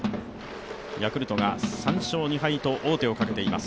ヤクルトが３勝２敗と王手をかけています。